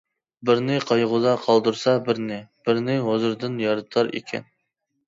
بىرنى قايغۇدا قالدۇرسا بىرنى، بىرنى ھۇزۇردىن يايرىتار ئىكەن.